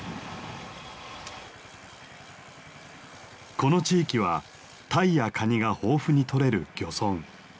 この地域はタイやカニが豊富に取れる漁村。